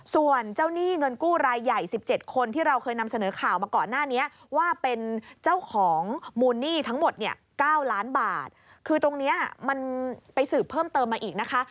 ส่วนเจ้าหนี้เงินกู้รายใหญ่๑๗คนที่เราเคยนำเสนอข่าวมาก่อนหน้านี้ว่าเป็นเจ้าของมูลหนี้ทั้งหมดเนี่ย๙ล้านบาทคือตรงเนี้ยมันไปสืบเพิ่มเติมมาอีกนะคะ